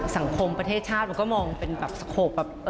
สังคมประเทศชาติมันก็มองเป็นสโคป